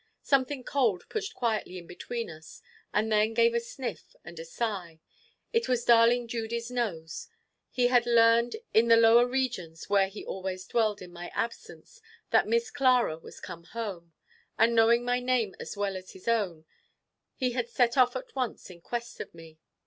Something cold pushed quietly in between us, and then gave a sniff and a sigh. It was darling Judy's nose. He had learned in the lower regions, where he always dwelled in my absence, that Miss Clara was come home; and knowing my name as well as his own, he had set off at once in quest of me.